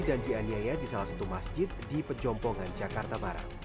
dan dianiaya di salah satu masjid di pejombongan jakarta barat